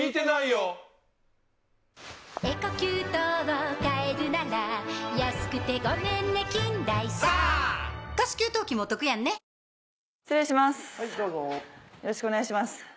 よろしくお願いします。